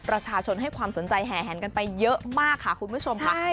ประชาชนให้ความสนใจแห่แหนกันไปเยอะมากค่ะคุณผู้ชมค่ะ